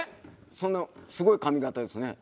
そんなすごい髪形ですね。